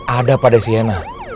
ada pada sienna